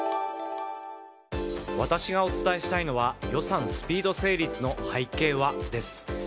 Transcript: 私がお伝えしたいのは予算スピード成立の背景はです。